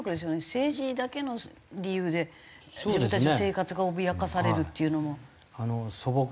政治だけの理由で自分たちの生活が脅かされるっていうのも。